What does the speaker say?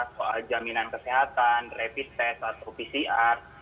soal jaminan kesehatan rapid test atau pcr